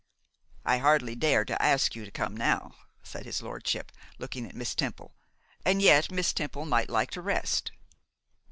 'I hardly dare to ask you to come now,' said his lordship, looking at Miss Temple; 'and yet Miss Temple might like to rest.